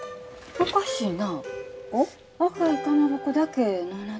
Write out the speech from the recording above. おかしいな。